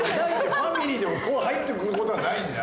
ファミリーでもこう入ってくることはないんだよ